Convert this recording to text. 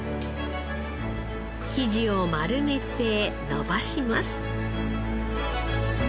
生地を丸めて伸ばします。